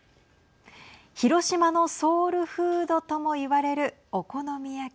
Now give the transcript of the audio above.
広島のソウルフードとも言われるお好み焼き。